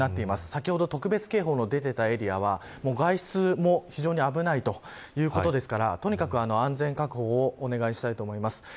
先ほど特別警報の出ていたエリアは外出も非常に危ないということですからとにかく安全確保をお願いしたいと思います。